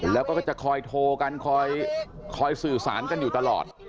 แล้วก็ก็จะคอยโทรกันคอยสื่อสารกันอยู่ตลอด